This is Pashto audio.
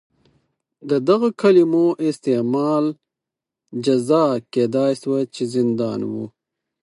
د دغو کلیمو استعمال جزا کېدای شوه چې زندان و.